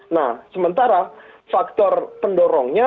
nah sementara faktor pendorongnya